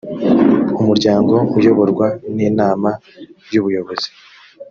umuryango uyoborwa n inama y ubuyobozi